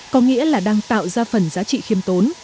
có nghĩa là đang tạo ra phần giá trị khiêm tốn